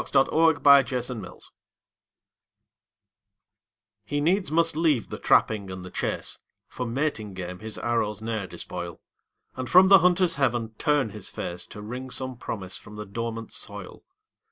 THE INDIAN CORN PLANTER He needs must leave the trapping and the chase, For mating game his arrows ne'er despoil, And from the hunter's heaven turn his face, To wring some promise from the dormant soil.